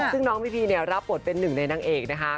ซึ่งน้องพีพีเนี่ยรับบทเป็นหนึ่งในนางเอกนะคะ